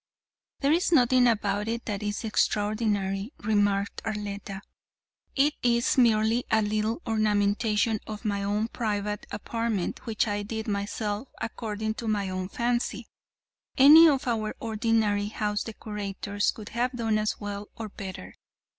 "There is nothing about it that is extraordinary," remarked Arletta, "it is merely a little ornamentation of my own private apartment which I did myself according to my own fancy. Any of our ordinary house decorators could have done as well or better.